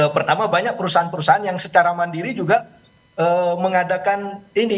pertama banyak perusahaan perusahaan yang secara mandiri juga mengadakan ini